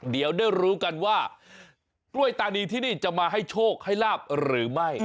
เดี๋ยวได้รู้กันว่ากล้วยตานีที่นี่จะมาให้โชคให้ลาบหรือไม่